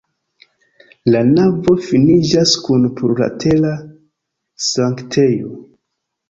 La navo finiĝas kun plurlatera sanktejo.